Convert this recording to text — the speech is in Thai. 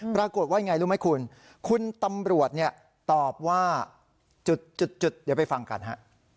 ปรากฏว่ายังไงรู้ไหมคุณคุณตำรวจเนี่ยตอบว่าจุดเดี๋ยวไปฟังกันฮะ